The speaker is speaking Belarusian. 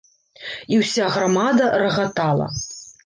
І ўся грамада рагатала.